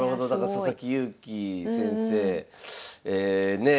佐々木勇気先生ねえ